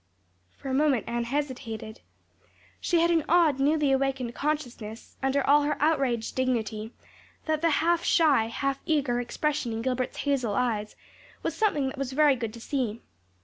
For a moment Anne hesitated. She had an odd, newly awakened consciousness under all her outraged dignity that the half shy, half eager expression in Gilbert's hazel eyes was something that was very good to see.